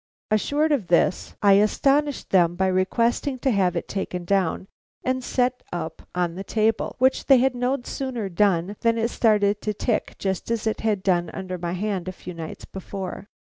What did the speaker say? Assured of this, I astonished them by requesting to have it taken down and set up on the table, which they had no sooner done than it started to tick just as it had done under my hand a few nights before.